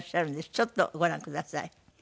ちょっとご覧ください。